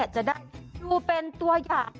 จะได้ดูเป็นตัวอย่าง